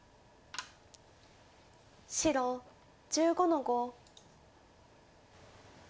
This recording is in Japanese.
白１５の五。